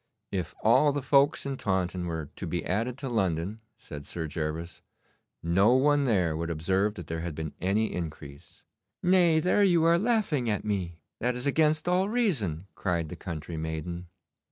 'If all the folks in Taunton were to be added to London,' said Sir Gervas, 'no one there would observe that there had been any increase.' 'Nay, there you are laughing at me. That is against all reason,' cried the country maiden.